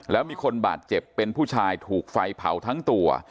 แล้วมีคนบาดเจ็บเป็นผู้ชายถูกไฟเผาทั้งตัว